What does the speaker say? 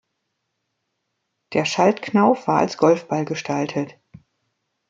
Der Schaltknauf war als Golfball gestaltet.